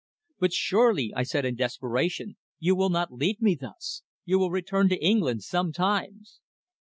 "But surely," I said in desperation, "you will not leave me thus? You will return to England sometimes."